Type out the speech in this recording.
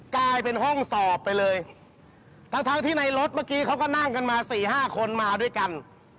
กลายเป็นห้องสอบไปเลยทั้งทั้งที่ในรถเมื่อกี้เขาก็นั่งกันมาสี่ห้าคนมาด้วยกัน